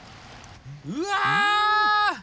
うわ！